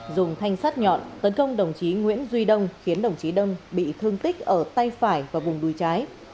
dùng thanh sắt nhọn tấn công đồng chí nguyễn duy đông khiến đồng chí đâm bị thương tích ở tay phải và vùng đuôi trái